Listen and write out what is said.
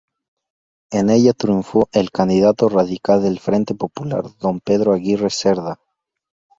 En ella triunfó el candidato radical del Frente Popular, don Pedro Aguirre Cerda.